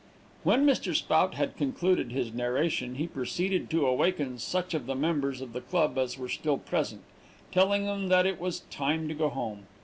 When Mr. Spout had concluded his narration, he proceeded to awaken such of the members of the club as were still present, telling them that it was time to go home.